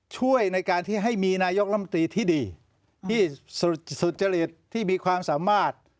ช่วยในการที่ให้มีนายกลำตีที่ดีที่สุจริตที่มีความสามารถ